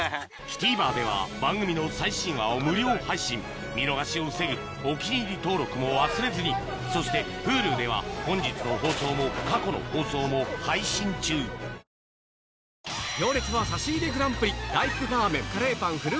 ＴＶｅｒでは番組の最新話を無料配信見逃しを防ぐ「お気に入り」登録も忘れずにそしてＨｕｌｕでは本日の放送も過去の放送も配信中磧孱味腺唯庁腺咤函。